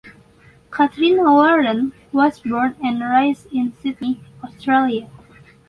Katrina Warren was born and raised in Sydney, Australia.